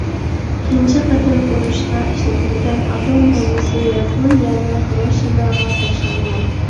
تۇنجى قېتىم ئۇرۇشقا ئىشلىتىلگەن ئاتوم بومبىسى ياپونىيەنىڭ خىروشىماغا تاشلانغان.